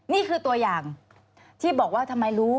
นี่คือตัวอย่างที่บอกว่าทำไมรู้